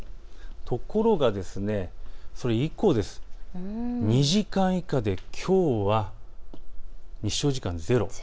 ところが、それ以降２時間以下で、きょうは日照時間ゼロ。